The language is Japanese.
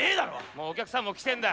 もうお客さんも来てんだ。